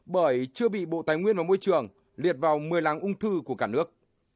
bởi chưa bị bộ tài nguyên và môi trường liệt vào mười làng ung thư của cả nước